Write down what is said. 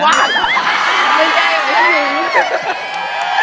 มีใจแหว่งไอฮิวหญิง